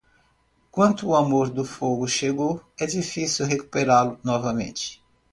Quando o amor do fogo chegou, é difícil recuperá-lo novamente.